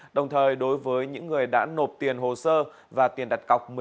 đồng thời đối với những người đã nộp tiền hồ sơ và tiền đặt cọc